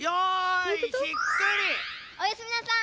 おやすみなさい！